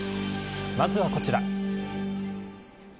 まずは、こちら。